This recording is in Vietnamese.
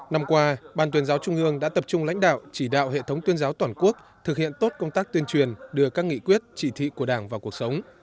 năm qua ban tuyên giáo trung ương đã tập trung lãnh đạo chỉ đạo hệ thống tuyên giáo toàn quốc thực hiện tốt công tác tuyên truyền đưa các nghị quyết chỉ thị của đảng vào cuộc sống